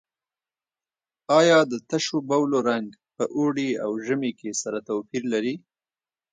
آیا د تشو بولو رنګ په اوړي او ژمي کې سره توپیر لري؟